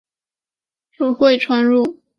属会川路。